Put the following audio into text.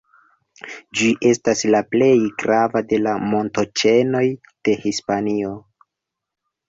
Ĝi estas la plej grava de la montoĉenoj de Hispanio.